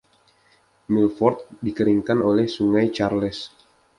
Milford dikeringkan oleh Sungai Charles.